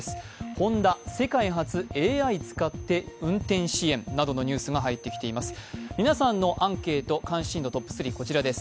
ホンダ、世界初ＡＩ使って運転支援などのニュースが入っています。